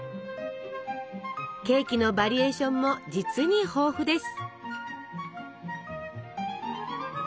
ケーキのバリエーションも実に豊富です！